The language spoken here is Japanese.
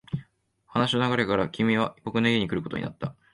話の流れから、君は僕の家に来ることになった。